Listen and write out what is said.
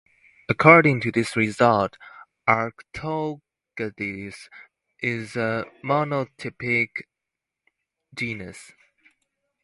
According to this result, "Arctogadus" is a monotypic genus.